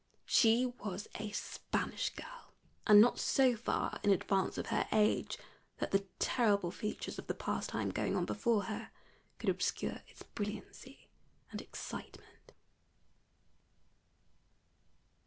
She was a Spanish girl, and not so far in advance of her age that the terrible features of the pastime going on before her could obscure its brilliancy and excitement.